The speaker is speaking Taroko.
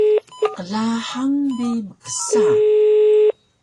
qlahang bi mksa